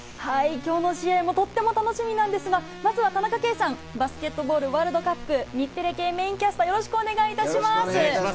今日の試合もとっても楽しみなんですが、まずは田中圭さん、バスケットボールワールドカップ、日テレ系メインキャスター、よろしくお願いします。